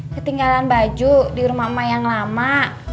ketinggalan baju di rumah emak yang lama